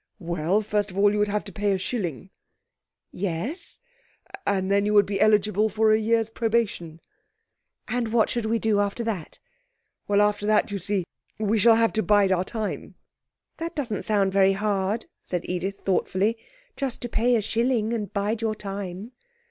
'Well, first of all you would have to pay a shilling.' 'Yes?' 'And then you would be eligible for a year's probation.' 'And what should we do after that?' 'Well, after that, you see, we shall have to bide our time.' 'That doesn't sound very hard,' said Edith thoughtfully. 'Just to pay a shilling and bide your time.'